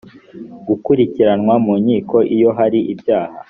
gukurikiranwa mu nkiko iyo hari ibyaha